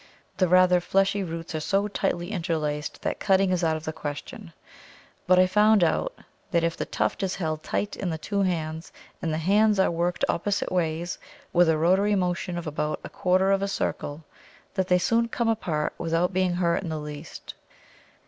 The rather fleshy roots are so tightly interlaced that cutting is out of the question; but I found out that if the tuft is held tight in the two hands, and the hands are worked opposite ways with a rotary motion of about a quarter of a circle, that they soon come apart without being hurt in the least.